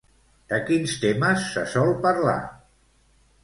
De quins temes se sol parlar?